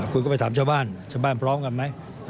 คุณก็ไปถามชาวบ้านชาวบ้านพร้อมกันไหม